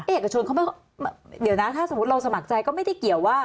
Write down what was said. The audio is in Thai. เอกชนเขาไม่เดี๋ยวนะถ้าสมมุติเราสมัครใจก็ไม่ได้เกี่ยวว่า